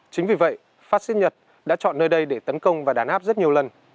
chính vì vậy phát xít nhật đã chọn nơi đây để tấn công và đàn áp rất nhiều lần